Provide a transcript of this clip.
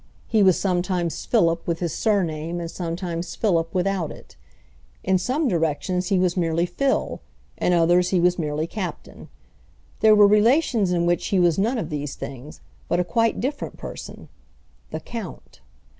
He was sometimes Philip with his surname and sometimes Philip without it. In some directions he was merely Phil, in others he was merely Captain. There were relations in which he was none of these things, but a quite different person—"the Count."